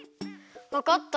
わかった！